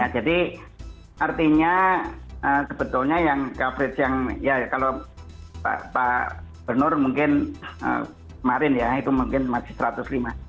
artinya sebetulnya yang coverage yang ya kalau pak benur mungkin kemarin ya itu mungkin masih satu ratus lima